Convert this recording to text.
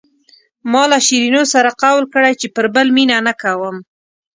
ما له شیرینو سره قول کړی چې پر بل مینه نه کوم.